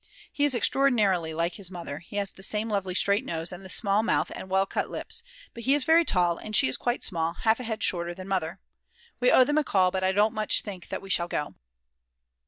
He is extraordinarily like his mother, he has the same lovely straight nose, and the small mouth and well cut lips; but he is very tall and she is quite small half a head shorter than Mother. We owe them a call, but I don't much think that we shall go.